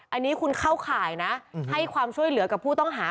อันนี้คุณเข้าข่ายนะให้ความช่วยเหลือกับผู้ต้องหา